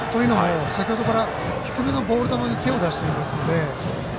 先程から低めのボール球に手を出していますのでね。